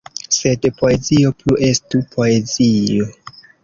Sed poezio plu estu poezio.